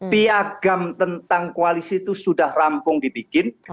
piagam tentang koalisi itu sudah rampung dibikin